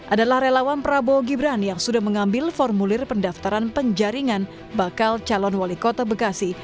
adalah relawan prabowo gibran yang sudah mengambil formulir pendaftaran penjaringan bakal calon wali kota bekasi